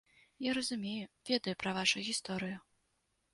Я разумею, ведаю пра вашу гісторыю.